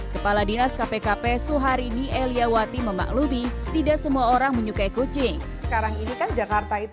kepala dinas kpkp suhani berkata